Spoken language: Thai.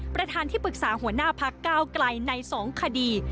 ประทานที่ปรึกษาหัวหน้าของพระก้าวกลัยในสองคดี